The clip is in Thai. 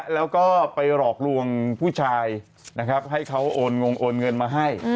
แล้วก็ไปลอกรวงผู้ชายให้เขาโอนเงินมาให้